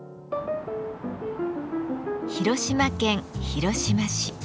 広島県広島市。